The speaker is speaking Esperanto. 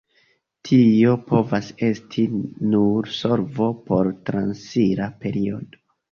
Tio povas esti nur solvo por transira periodo.